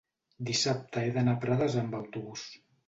dissabte he d'anar a Prades amb autobús.